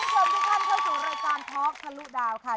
แล้วก็ได้ทิ้งส่งทุกคนเข้าสู่รายการทอล์กทะลุดาวค่ะ